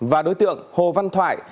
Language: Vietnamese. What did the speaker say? và đối tượng hồ văn thoại